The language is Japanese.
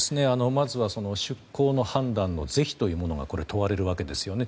まずは出港の判断の是非というものがこれ、問われるわけですよね。